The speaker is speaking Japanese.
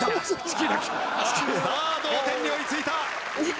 さあ同点に追いついた。